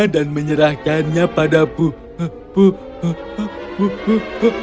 dan menyerahkannya pada puh puh puh puh